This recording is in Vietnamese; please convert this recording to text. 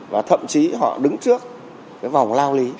và thậm chí họ đứng trước cái vòng lao lý